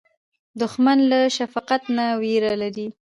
دښمن له شفقت نه وېره لري